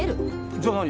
じゃあ何？